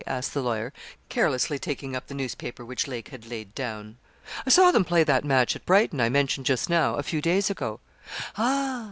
asked the lawyer, carelessly taking up the newspaper which Lake had laid down. 'I saw them play that match at Brighton, I mentioned just now, a few days ago.' 'Ah!